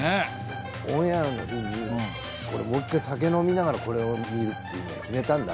オンエアの日にもう一回酒飲みながらこれを見るっていうのを決めたんだ。